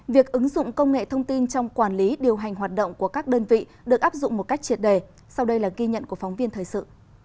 việc ứng dụng công nghệ thông tin trong quản lý điều hành hoạt động của các đơn vị được áp dụng một cách triệt đề sau đây là ghi nhận của phóng viên thời sự